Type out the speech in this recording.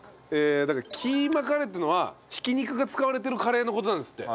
だからキーマカレーっていうのは挽き肉が使われてるカレーの事なんですって。